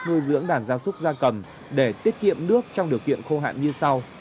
ngôi dưỡng đàn da súc da cầm để tiết kiệm nước trong điều kiện khô hạn như sau